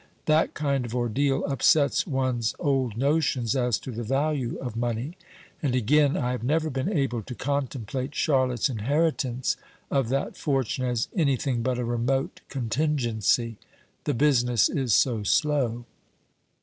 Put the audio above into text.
That kind of ordeal upsets one's old notions as to the value of money. And, again, I have never been able to contemplate Charlotte's inheritance of that fortune as anything but a remote contingency; the business is so slow."